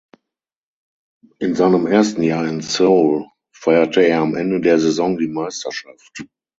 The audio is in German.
In seinem ersten Jahr in Seoul feierte er am Ende der Saison die Meisterschaft.